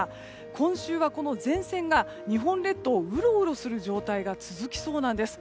今週はこの前線が日本列島をうろうろする状態が続きそうなんです。